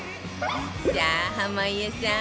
さあ濱家さん